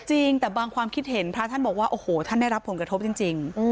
จริงแต่บางความคิดเห็นพระท่านบอกว่าโอ้โหท่านได้รับผลกระทบจริง